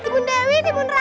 timun medu timun panca